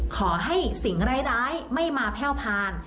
ขอให้สิ่งร้ายไม่มาแพ่วผ่าน